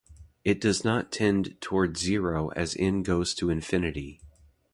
It does not tend toward zero as "n" goes to infinity.